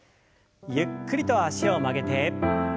ゆっくりと脚を曲げて。